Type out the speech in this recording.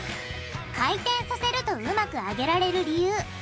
回転させるとうまく揚げられる理由。